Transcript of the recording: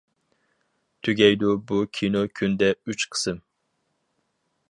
تۈگەيدۇ بۇ كىنو كۈندە ئۈچ قىسىم.